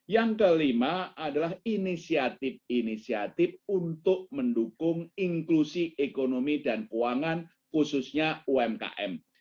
yang kelima adalah inisiatif inisiatif untuk mendukung inklusi ekonomi dan keuangan khususnya umkm